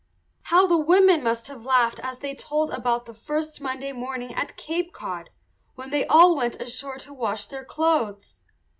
How the women must have laughed as they told about the first Monday morning at Cape Cod, when they all went ashore to wash their clothes!